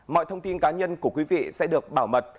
mọi thông tin cá nhân của quý vị sẽ được bảo mật